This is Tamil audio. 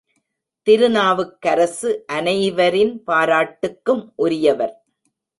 திருநாவுக்கரசு அனைவரின் பாராட்டுக்கும் உரியவர்.